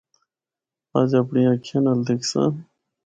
اجّ اپنڑیا اکھّیاں نال دِکھساں۔